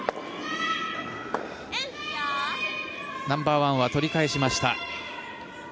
ナンバーワンは取り返しました。